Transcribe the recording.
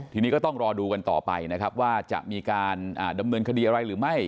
ทีนี้ก็ต้องรอดูกันต่อไปนะครับว่าจะมีการดำเนินคดีอะไรหรือไม่